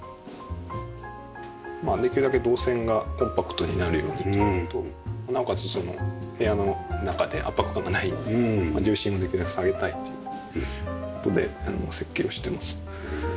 できるだけ動線がコンパクトになるようにというのとなおかつ部屋の中で圧迫感がないように重心をできるだけ下げたいという事で設計をしてます。